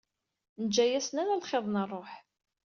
Neǧǧa-yasen ala lxiḍ n rruḥ.